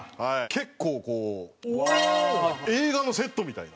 結構こう映画のセットみたいな。